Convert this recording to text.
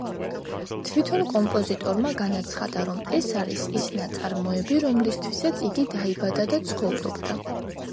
თვითონ კომპოზიტორმა განაცხადა, რომ ეს არის ის ნაწარმოები, რომლისათვისაც იგი დაიბადა და ცხოვრობდა.